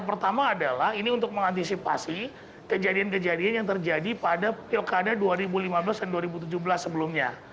pertama adalah ini untuk mengantisipasi kejadian kejadian yang terjadi pada pilkada dua ribu lima belas dan dua ribu tujuh belas sebelumnya